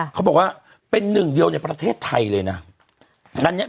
เขาบอกว่าเป็นหนึ่งเดียวในประเทศไทยเลยนะ